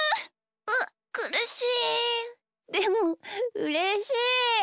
うっくるしいでもうれしい！